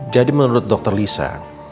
jadi menurut dokter lisa